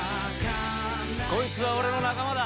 こいつは俺の仲間だ。